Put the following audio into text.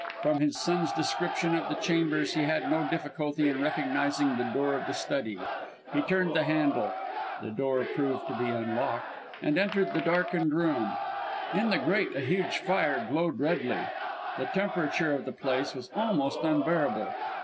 From his son's description of the chambers he had no difficulty in recognising the door of the study. He turned the handle the door proved to be unlocked and entered the darkened room. In the grate a huge fire glowed redly; the temperature of the place was almost unbearable.